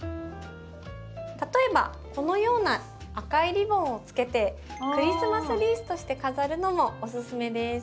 例えばこのような赤いリボンをつけてクリスマスリースとして飾るのもおすすめです。